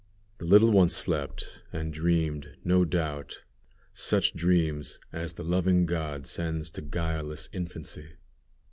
The little one slept, and dreamed, no doubt, such dreams as the loving God sends to guileless infancy.